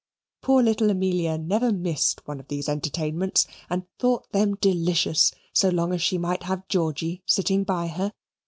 Poor little Amelia never missed one of these entertainments and thought them delicious so long as she might have Georgy sitting by her.